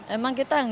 emang kita gak ada